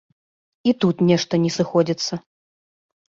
І тут нешта не сыходзіцца.